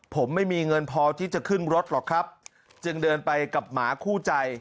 ผมไม่มีเงินพอที่จะขึ้นรถหรอกครับจึงเดินไปกับหมาคู่ใจ